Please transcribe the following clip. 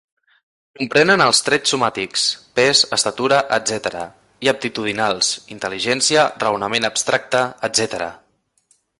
Comprenen els trets somàtics: pes, estatura, etcètera; i aptitudinals: intel·ligència, raonament abstracte, etcètera.